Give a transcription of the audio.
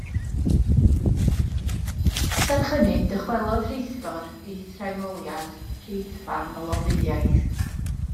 Serch hynny, dychwelodd rheithgor ei threngholiad reithfarn o lofruddiaeth.